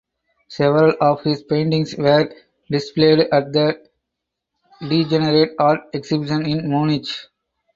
Several of his paintings were displayed at the Degenerate Art Exhibition in Munich.